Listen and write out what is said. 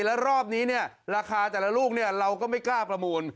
แล้วรอบนี้เนี่ยราคาแต่ละลูกเราก็ไม่กล้าประมูล